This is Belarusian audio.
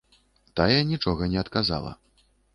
Тая нічога не адказала.